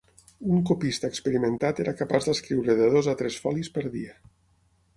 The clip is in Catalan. Un copista experimentat era capaç d'escriure de dos a tres folis per dia.